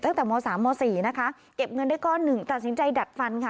ตั้งแต่ม๓ม๔นะคะเก็บเงินได้ก้อนหนึ่งตัดสินใจดัดฟันค่ะ